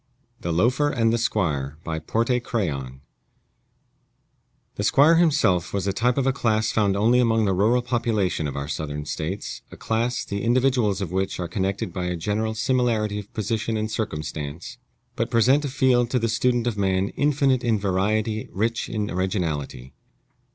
THE LOAFER AND THE SQUIRE BY PORTE CRAYON The squire himself was the type of a class found only among the rural population of our Southern States a class, the individuals of which are connected by a general similarity of position and circumstance, but present a field to the student of man infinite in variety, rich in originality.